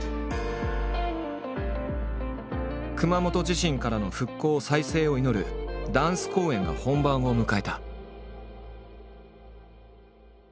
熊本地震からの復興・再生を祈るダンス公演が本番を迎えた。